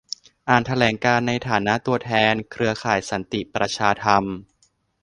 อ่านแถลงการณ์ในฐานะตัวแทนเครือข่ายสันติประชาธรรม